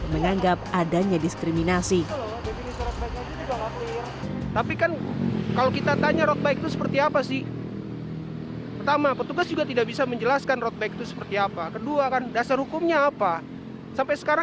menganggap adanya diskriminasi